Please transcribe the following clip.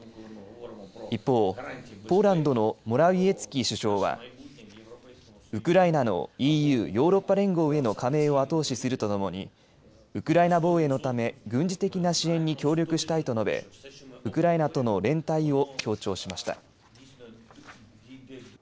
一方、ポーランドのモラウィエツキ首相はウクライナのＥＵ・ヨーロッパ連合への加盟を後押しするとともにウクライナ防衛のため軍事的な支援に協力したいと述べウクライナとの連帯を強調しました。